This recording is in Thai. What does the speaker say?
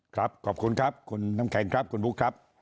ครับขอบคุณครับคุณน้ำแข็งครับคุณบุ๊คครับ